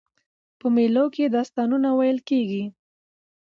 په مېلو کښي داستانونه ویل کېږي.